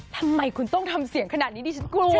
ทำไมคุณต้องทำเสียงขนาดนี้ดิฉันกลัว